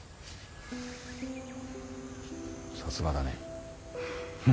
さすがだね。